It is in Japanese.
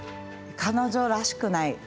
彼女らしくない。